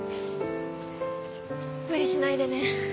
無理しないでね。